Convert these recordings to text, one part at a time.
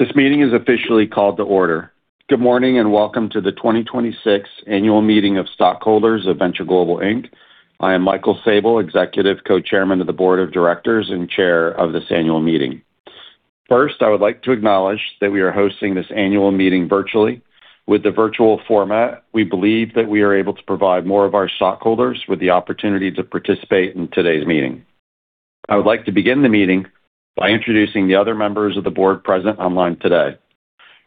This meeting is officially called to order. Good morning, and welcome to the 2026 Annual Meeting of Stockholders of Venture Global, Inc. I am Michael Sabel, Executive Co-Chairman of the Board of Directors and Chair of this annual meeting. First, I would like to acknowledge that we are hosting this annual meeting virtually. With the virtual format, we believe that we are able to provide more of our stockholders with the opportunity to participate in today's meeting. I would like to begin the meeting by introducing the other Members of the Board present online today.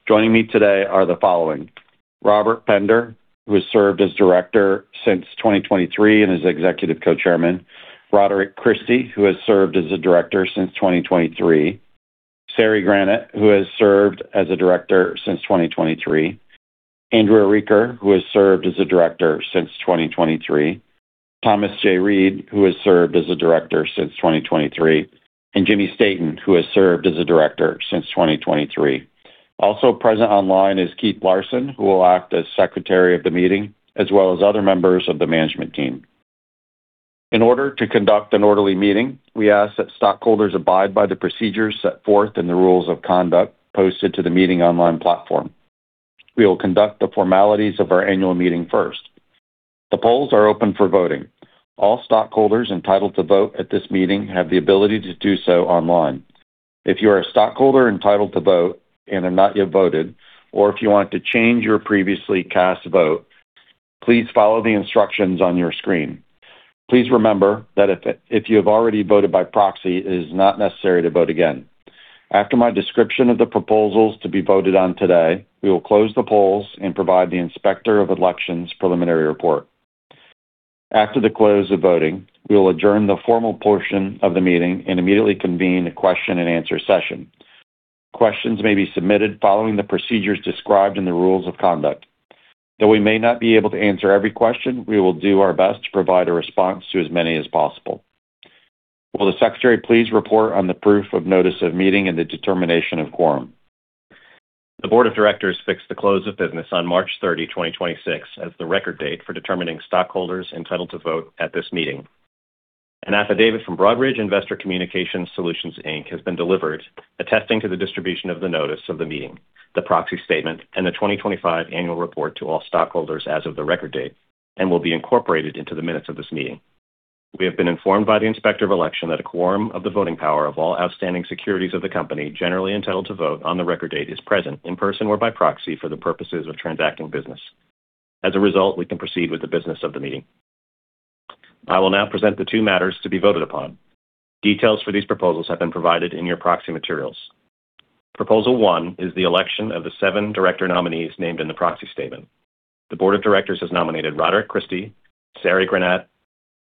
Joining me today are the following: Robert Pender, who has served as Director since 2023 and is Executive Co-Chairman, Roderick Christie, who has served as a Director since 2023, Sari Granat, who has served as a Director since 2023, Andrew Orekar, who has served as a Director since 2023, Thomas J. Reid, who has served as a Director since 2023, and Jimmy Staton, who has served as a Director since 2023. Also present online is Keith Larson, who will act as Secretary of the meeting, as well as other members of the management team. In order to conduct an orderly meeting, we ask that stockholders abide by the procedures set forth in the rules of conduct posted to the meeting online platform. We will conduct the formalities of our annual meeting first. The polls are open for voting. All stockholders entitled to vote at this meeting have the ability to do so online. If you are a stockholder entitled to vote and have not yet voted, or if you want to change your previously cast vote, please follow the instructions on your screen. Please remember that if you have already voted by proxy, it is not necessary to vote again. After my description of the proposals to be voted on today, we will close the polls and provide the Inspector of Elections preliminary report. After the close of voting, we will adjourn the formal portion of the meeting and immediately convene a question and answer session. Questions may be submitted following the procedures described in the rules of conduct. Though we may not be able to answer every question, we will do our best to provide a response to as many as possible. Will the Secretary please report on the proof of notice of meeting and the determination of quorum? The Board of Directors fixed the close of business on March 30, 2026, as the record date for determining stockholders entitled to vote at this meeting. An affidavit from Broadridge Investor Communication Solutions, Inc has been delivered, attesting to the distribution of the notice of the meeting, the proxy statement, and the 2025 annual report to all stockholders as of the record date and will be incorporated into the minutes of this meeting. We have been informed by the Inspector of Election that a quorum of the voting power of all outstanding securities of the company, generally entitled to vote on the record date, is present in person or by proxy for the purposes of transacting business. As a result, we can proceed with the business of the meeting. I will now present the two matters to be voted upon. Details for these proposals have been provided in your proxy materials. Proposal one is the election of the seven Director nominees named in the proxy statement. The Board of Directors has nominated Roderick Christie, Sari Granat,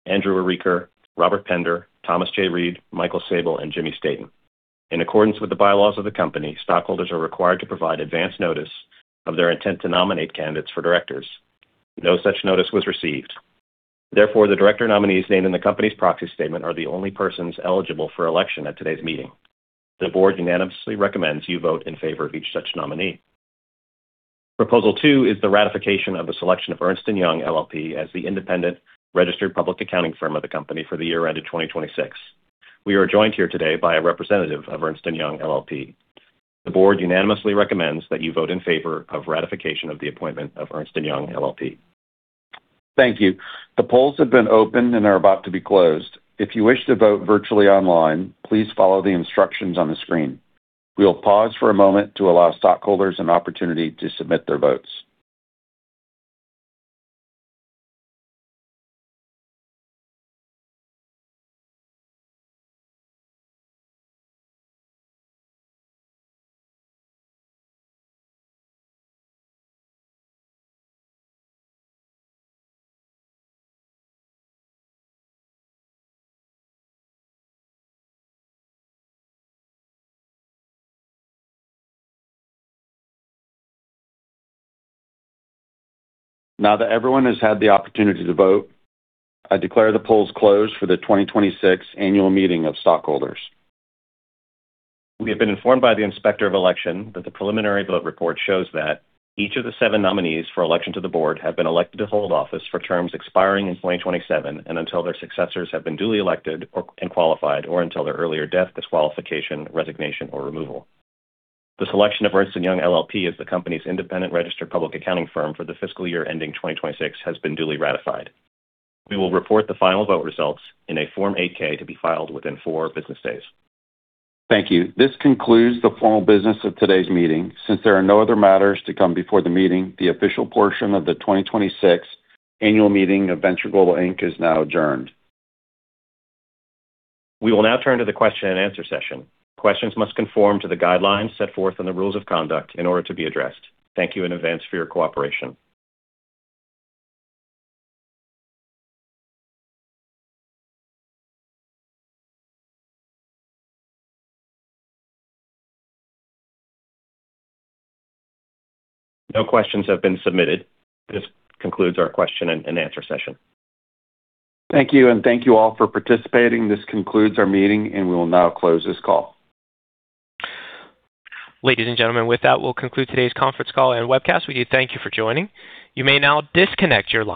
Andrew Orekar, Robert Pender, Thomas J. Reid, Michael Sabel, and Jimmy Staton. In accordance with the bylaws of the company, stockholders are required to provide advance notice of their intent to nominate candidates for directors. No such notice was received. Therefore, the Director nominees named in the company's proxy statement are the only persons eligible for election at today's meeting. The Board unanimously recommends you vote in favor of each such nominee. Proposal two is the ratification of the selection of Ernst & Young LLP as the independent registered public accounting firm of the company for the year ended 2026. We are joined here today by a representative of Ernst & Young LLP. The Board unanimously recommends that you vote in favor of ratification of the appointment of Ernst & Young LLP. Thank you. The polls have been opened and are about to be closed. If you wish to vote virtually online, please follow the instructions on the screen. We will pause for a moment to allow stockholders an opportunity to submit their votes. Now that everyone has had the opportunity to vote, I declare the polls closed for the 2026 annual meeting of stockholders. We have been informed by the Inspector of Election that the preliminary vote report shows that each of the seven nominees for election to the Board have been elected to hold office for terms expiring in 2027 and until their successors have been duly elected or, and qualified, or until their earlier death, disqualification, resignation, or removal. The selection of Ernst & Young LLP as the company's independent registered public accounting firm for the fiscal year ending 2026 has been duly ratified. We will report the final vote results in a Form 8-K to be filed within four business days. Thank you. This concludes the formal business of today's meeting. Since there are no other matters to come before the meeting, the official portion of the 2026 annual meeting of Venture Global, Inc is now adjourned. We will now turn to the question and answer session. Questions must conform to the guidelines set forth in the rules of conduct in order to be addressed. Thank you in advance for your cooperation. No questions have been submitted. This concludes our question and answer session. Thank you. Thank you all for participating. This concludes our meeting. We will now close this call. Ladies and gentlemen, with that, we'll conclude today's conference call and webcast. We do thank you for joining. You may now disconnect your line.